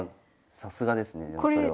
さすがですねでもそれは。